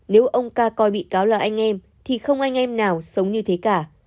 nếu ông ca coi bị cáo là anh em thì không anh em nào sống như thế cả